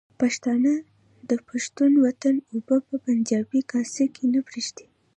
پښتانه د پښتون وطن اوبه په پنجابي کاسه کې نه پرېږدي.